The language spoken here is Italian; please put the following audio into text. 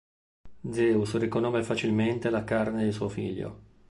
Zeus riconobbe facilmente la carne di suo figlio.